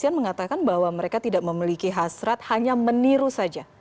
presiden mengatakan bahwa mereka tidak memiliki hasrat hanya meniru saja